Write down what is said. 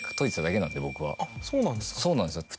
そうなんですか。